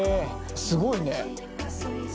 すごいね。